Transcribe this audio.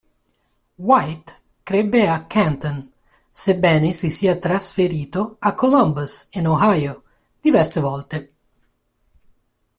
White crebbe a Canton, sebbene si sia trasferito a Columbus, in Ohio, diverse volte.